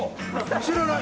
知らない。